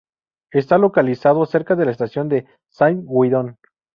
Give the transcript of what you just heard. Está localizado cerca de la estación de Saint-Guidon.